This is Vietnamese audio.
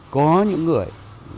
có những người